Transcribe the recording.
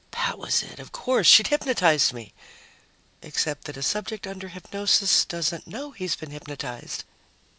That was it, of course! She'd hypnotized me.... Except that a subject under hypnosis doesn't know he's been hypnotized.